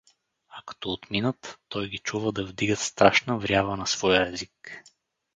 А като отминат, той ги чува да вдигат страшна врява на своя език.